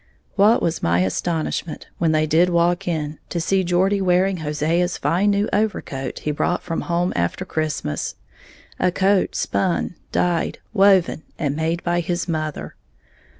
What was my astonishment, when they did walk in, to see Geordie wearing Hosea's fine new overcoat he brought from home after Christmas, a coat spun, dyed, woven and made by his mother.